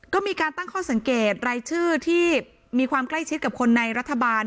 ก็มีการตั้งข้อสังเกตรายชื่อที่มีความใกล้ชิดกับคนในรัฐบาล